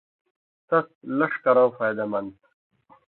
تس لݜ کرؤں فائدہ مند تُھو۔